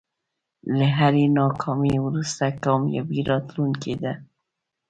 له هری ناکامۍ وروسته کامیابي راتلونکی ده.